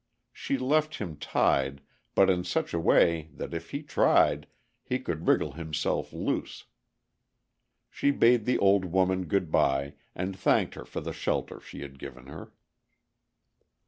She left him tied, but in such a way that if he tried he could wriggle himself loose. She bade the old woman good by, and thanked her for the shelter she had given her.